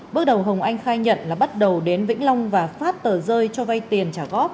bước đầu hồng anh khai nhận là bắt đầu đến vĩnh long và phát tờ rơi cho vay tiền trả góp